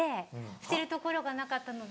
捨てる所がなかったので。